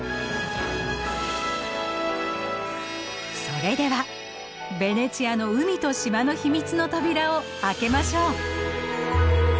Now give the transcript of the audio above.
それではベネチアの海と島の秘密の扉を開けましょう。